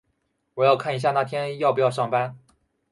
我要看一下那天要不要上班。